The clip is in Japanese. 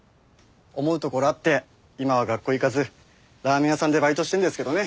思うところあって今は学校行かずラーメン屋さんでバイトしてるんですけどね。